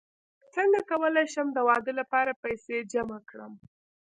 څنګه کولی شم د واده لپاره پیسې جمع کړم